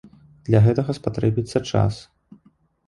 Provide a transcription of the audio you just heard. Для гэтага спатрэбіцца час.